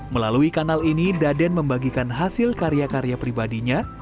melalui kanal ini daden membagikan hasil karya karya pribadinya